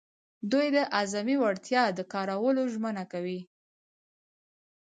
دوی د اعظمي وړتیا د کارولو ژمنه کوي.